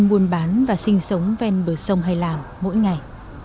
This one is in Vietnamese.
dân buôn bán và sinh sống ven bờ sông hài lạm mỗi ngày